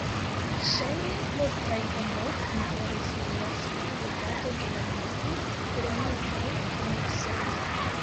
Ŝajne multaj homoj interesiĝas pri legado de la malpli polemikaj komiksoj.